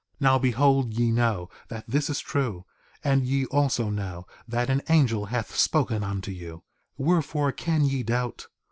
4:3 Now behold ye know that this is true; and ye also know that an angel hath spoken unto you; wherefore can ye doubt?